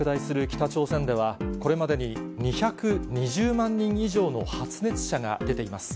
北朝鮮では、これまでに、２２０万人以上の発熱者が出ています。